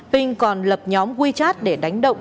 binh còn lập nhóm wechat để đánh động